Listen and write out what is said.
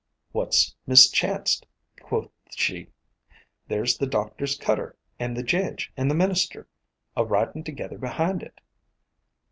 'What's mis chanced?' quoth she; 'there 's the doctor's cutter, and the Jedge and the minister a ridin' together behind it.'